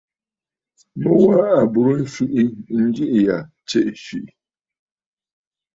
Mu wa à bùrə nswìʼi njiʼì ya tsiʼì swìʼì!